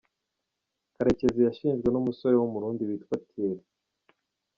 Karekezi yashinjwe n’umusore w’umurundi witwa Thierry